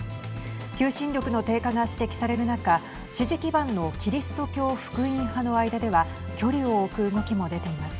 求心力の低下が指摘される中支持基盤のキリスト教福音派の間では距離を置く動きも出ています。